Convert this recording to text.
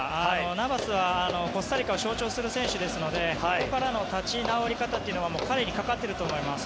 ナバスはコスタリカを象徴する選手ですのでそこからの立ち直り方というのは彼にかかっていると思います。